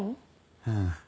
うん。